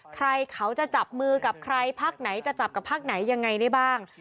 ใครเขาจะจับมือกับใครพักไหนจะจับกับพักไหนยังไงได้บ้าง